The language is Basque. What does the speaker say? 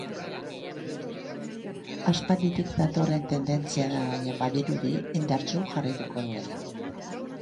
Aspalditik datorren tendentzia da, baina, badirudi indartsu jarraituko duela.